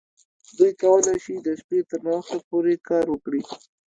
دوی کولی شي د شپې تر ناوخته پورې کار وکړي